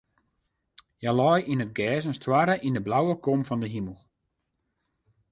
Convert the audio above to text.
Hja lei yn it gers en stoarre yn de blauwe kom fan de himel.